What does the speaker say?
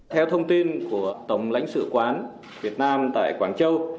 theo thông tin của tổng lãnh sự quán việt nam tại quảng châu